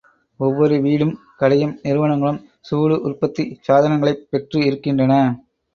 ஒவ்வொரு வீடும் கடையும் நிறுவனங்களும் சூடு உற்பத்திச் சாதனங்களைப் பெற்று இருக்கின்றன.